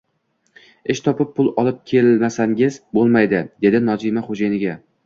Ish topib, pul olib kelmasangiz bo`lmaydi, dedi Nozima xo`jayiniga